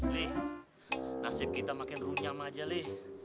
li nasib kita makin runyam aja li